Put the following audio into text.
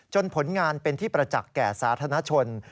ผลงานเป็นที่ประจักษ์แก่สาธารณชน